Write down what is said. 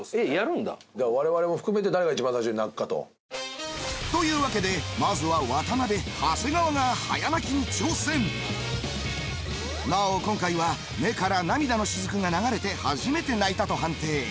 我々も含めて誰が一番最初に泣くかと。というわけでまずはなお今回は目から涙のしずくが流れて初めて「泣いた」と判定。